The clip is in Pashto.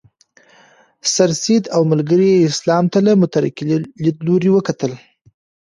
سرسید او ملګرو یې اسلام ته له مترقي لیدلوري وکتل.